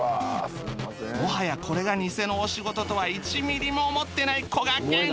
もはやこれがニセのお仕事とは１ミリも思ってないこがけん